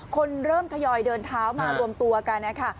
คนเริ่มทยอยเดินเท้ามารวมตัวกันนะคะ